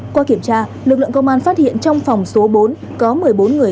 qua kiểm tra lực lượng công an phát hiện trong phòng số bốn có một mươi bốn người